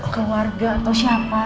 keluarga atau siapa